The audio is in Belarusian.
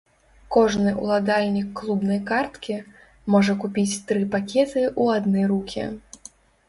Кожны ўладальнік клубнай карткі можа купіць тры пакеты ў адны рукі.